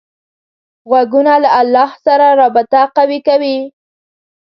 غوږونه له الله سره رابطه قوي کوي